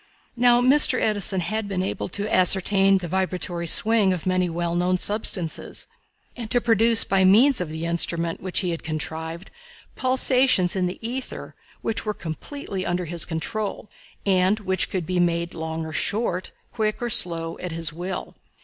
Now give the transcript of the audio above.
Now Mr. Edison had been able to ascertain the vibratory swing of many well known substances, and to produce, by means of the instrument which he had contrived, pulsations in the ether which were completely under his control, and which could be made long or short, quick or slow, at his will.